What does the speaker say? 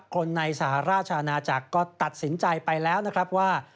คนในสหราชอาณาจักรก็ตัดสินใจไปแล้วนะครับว่า